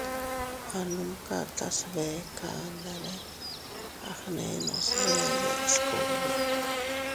A numka tas bee kandane a gnenos bee deʼes kugbi.